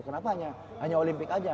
kenapa hanya olimpik aja